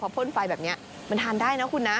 พ่นไฟแบบนี้มันทานได้นะคุณนะ